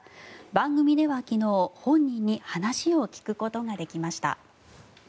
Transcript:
番組では昨日、本人に話を聞くことができました。